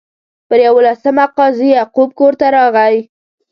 پر یوولسمه قاضي یعقوب کور ته راغی.